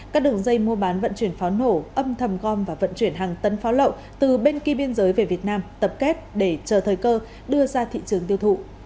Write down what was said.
các đường dây mua bán vận chuyển pháo nổ âm thầm gom và vận chuyển hàng tấn pháo lậu từ bên kia biên giới về việt nam tập kết để chờ thời cơ đưa ra thị trường tiêu thụ